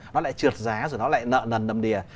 nó lại trượt giá rồi nó lại nợ nần nầm đìa